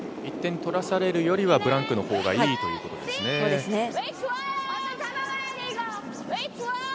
１点取らされるよりはブランクの方がいいということですね。